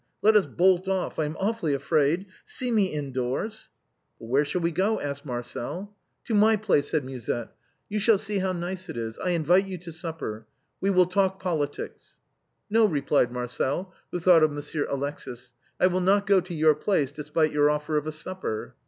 Let us bolt off, I am awfully afraid ; sec me indoors." " But where shall we go ?" asked Marcel. " To my place," said Musette ;" you shall see how nice it is. I invite you to supper ; we will talk politics." " No," replied Marcel, who thought of Monsieur Alexis. " I will not go to your place, despite your offer of a supper.